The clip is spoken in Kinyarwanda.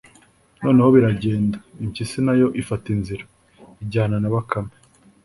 noneho biragenda, impyisi nayo ifata inzira, ijyana na bakame.